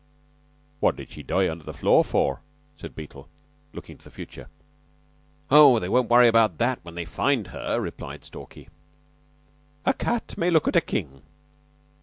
"What did she die under the floor for?" said Beetle, looking to the future. "Oh, they won't worry about that when they find her," said Stalky. "A cat may look at a king."